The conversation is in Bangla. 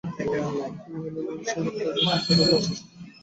তিনি বললেন, আমরা সংঘাতে থাকলে কোনো সমস্যার সুরাহা করতে পারব না।